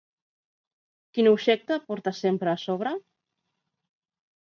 Quin objecte porta sempre a sobre?